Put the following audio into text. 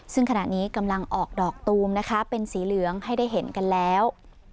ซึ่งขณะนี้กำลังออกดอกตูมนะคะเป็นสีเหลืองให้ได้เห็นกันแล้ว